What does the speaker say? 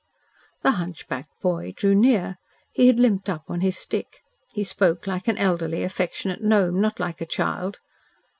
The hunchbacked boy drew near. He had limped up on his stick. He spoke like an elderly, affectionate gnome, not like a child.